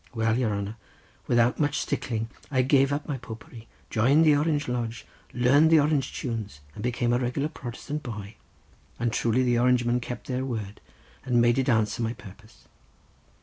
Well, your hanner, without much stickling I gave up my Popery, joined the Orange lodge, learned the Orange tunes, and became a regular Protestant boy, and truly the Orange men kept their word, and made it answer my purpose.